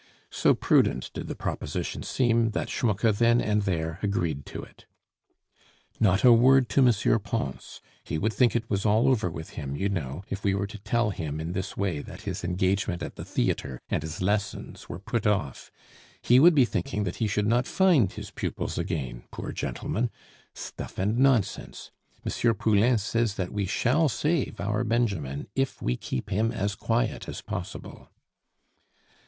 So prudent did the proposition seem, that Schmucke then and there agreed to it. "Not a word to M. Pons; he would think it was all over with him, you know, if we were to tell him in this way that his engagement at the theatre and his lessons are put off. He would be thinking that he should not find his pupils again, poor gentleman stuff and nonsense! M. Poulain says that we shall save our Benjamin if we keep him as quiet as possible."